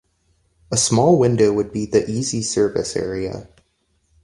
A small window would be the easy service area.